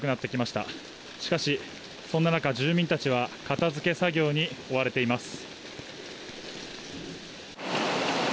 しかし、そんな中、住民たちは片づけ作業に追われています。